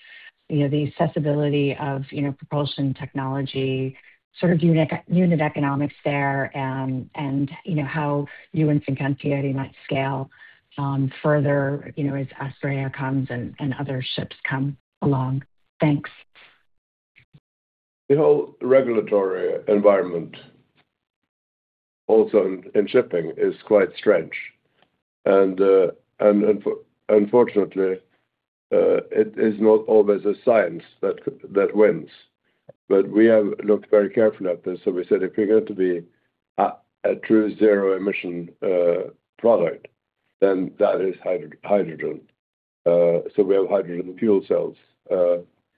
you know, the accessibility of, you know, propulsion technology, sort of unit economics there and you know, how you and Fincantieri might scale further, you know, as Viking Astrea comes and other ships come along. Thanks. The whole regulatory environment also in shipping is quite strange. Unfortunately, it is not always a science that wins. We have looked very carefully at this, so we said, "If we're going to be a true zero-emission product, then that is hydrogen." We have hydrogen fuel cells,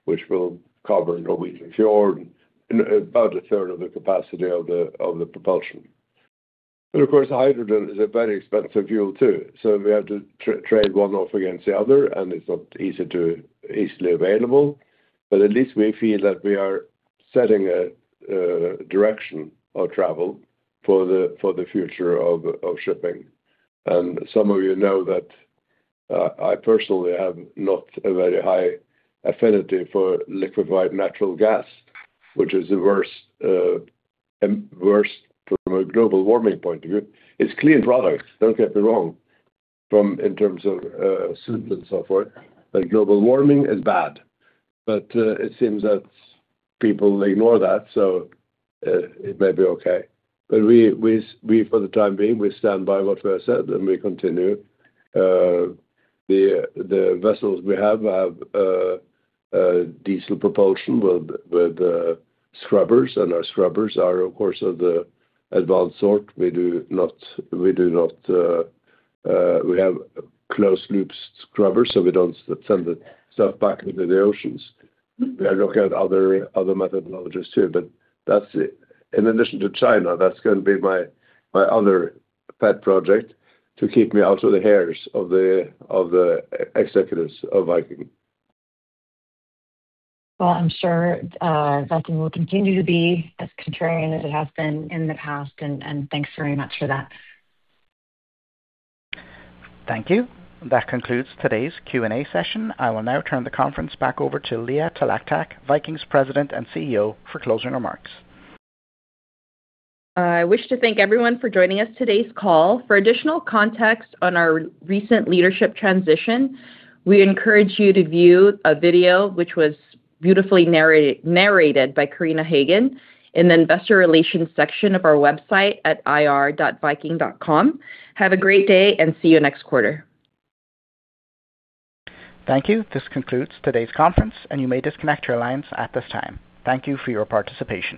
which will cover Norwegian fjord and about a third of the capacity of the propulsion. Of course, hydrogen is a very expensive fuel too, so we have to trade one off against the other, and it's not easily available. At least we feel that we are setting a direction of travel for the future of shipping. Some of you know that I personally have not a very high affinity for liquefied natural gas, which is the worst and worst from a global warming point of view. It's clean products, don't get me wrong, from in terms of soot and so forth, but global warming is bad. It seems that people ignore that, it may be okay. We for the time being, we stand by what we have said, and we continue. The vessels we have have diesel propulsion with scrubbers, and our scrubbers are of course of the advanced sort. We have closed-loop scrubbers, we don't send the stuff back into the oceans. We are looking at other methodologies too, that's it. In addition to China, that's gonna be my other pet project to keep me out of the hairs of the executives of Viking. Well, I'm sure, Viking will continue to be as contrarian as it has been in the past, and thanks very much for that. Thank you. That concludes today's Q&A session. I will now turn the conference back over to Leah Talactac, Viking's President and CEO, for closing remarks. I wish to thank everyone for joining us today's call. For additional context on our recent leadership transition, we encourage you to view a video which was beautifully narrated by Karine Hagen in the Investor Relations section of our website at ir.viking.com. Have a great day, and see you next quarter. Thank you. This concludes today's conference, and you may disconnect your lines at this time. Thank you for your participation.